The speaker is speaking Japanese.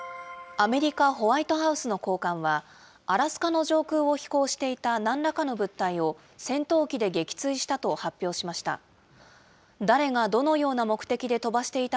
アメリカ・ホワイトハウスの高官は、アラスカの上空を飛行していたなんらかの物体を、戦闘機で撃墜したと発表しました。